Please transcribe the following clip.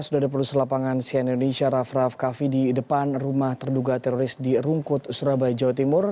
sudah ada produsen lapangan siena indonesia rafraf kaffi di depan rumah terduga teroris di rungkut surabaya jawa timur